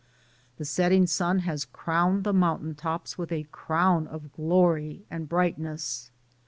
The setting sun has crowned the mountain tops with a crown of glory and brightness.